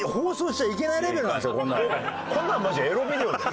こんなのマジエロビデオだろ